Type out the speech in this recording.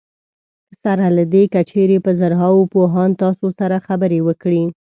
سره له دې که چېرې په زرهاوو پوهان تاسو سره خبرې وکړي.